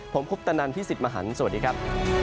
ผมคุปตะนันพี่สิทธิ์มหันฯสวัสดีครับ